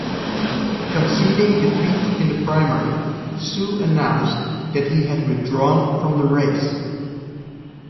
Conceding defeat in the primary, Su announced that he had withdrawn from the race.